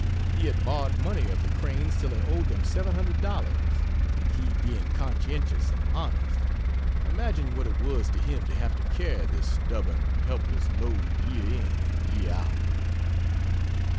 He had borrowed money of the Cranes till he owed them $700 and he being conscientious and honest, imagine what it was to him to have to carry this stubborn, helpless load year in and year out.